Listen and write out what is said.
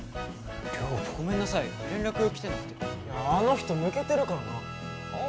ごめんなさい連絡来てなくてあの人抜けてるからなあ